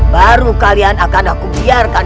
baru kalian akan aku biarkan